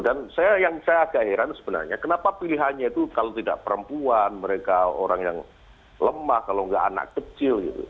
dan saya agak heran sebenarnya kenapa pilihannya itu kalau tidak perempuan mereka orang yang lemah kalau tidak anak kecil